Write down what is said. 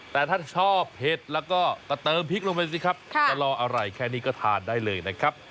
แต่ถ้าชอบเห็ดแล้วก็เติมพริกลงไปสิครับจะรออร่อยแค่นี้ก็ทานได้เลยนะครับ